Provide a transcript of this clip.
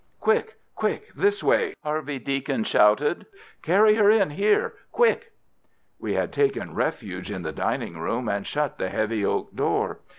"Quick! Quick! This way!" Harvey Deacon shouted. "Carry her in! Here! Quick!" We had taken refuge in the dining room, and shut the heavy oak door.